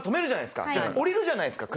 で降りるじゃないですか